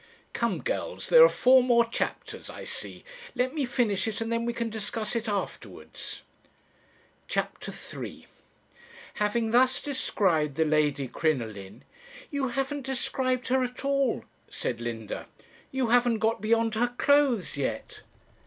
'Come, girls, there are four more chapters, I see. Let me finish it, and then we can discuss it afterwards.' "CHAPTER III "Having thus described the Lady Crinoline " 'You haven't described her at all,' said Linda; 'you haven't got beyond her clothes yet.'